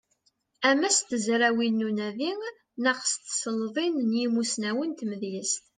Ama s tezrawin n unadi neɣ s tselḍin n yimussnawen n tmedyazt.